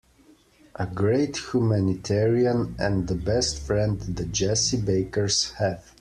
A great humanitarian and the best friend the Jessie Bakers have.